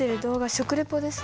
食レポですか？